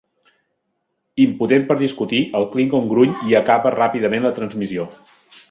Impotent per discutir, el klingon gruny i acaba ràpidament la transmissió.